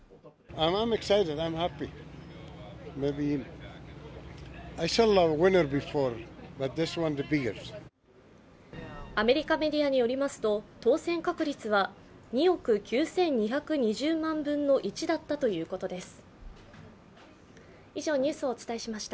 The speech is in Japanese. アメリカメディアによりますと当選確率は２億９２２０万分の１だったということです。